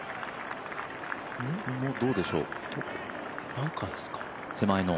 バンカーですか？